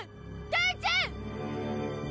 母ちゃん！